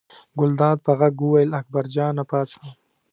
ګلداد په غږ وویل اکبر جانه پاڅه.